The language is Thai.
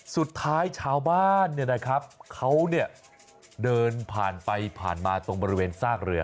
สุดท้ายชาวบ้านเขาเดินผ่านไปผ่านมาตรงบริเวณซากเรือ